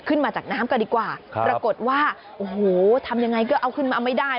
ขึ้นมาจากน้ำกันดีกว่าปรากฏว่าโอ้โหทำยังไงก็เอาขึ้นมาไม่ได้